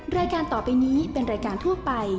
รายการต่อไปนี้เป็นรายการทั่วไป